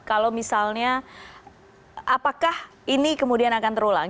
kalau misalnya apakah ini kemudian akan terulang